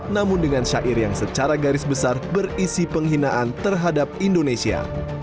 namun dengan syair yang secara garis besar berisi penghinaan terhadap indonesia